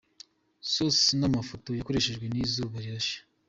Source n’ Amafoto yakoreshejwe ni Izuba rirashe